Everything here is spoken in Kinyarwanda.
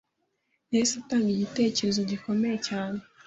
yahise atanga igitekerezo gikomeye cyane